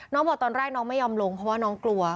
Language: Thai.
บอกตอนแรกน้องไม่ยอมลงเพราะว่าน้องกลัว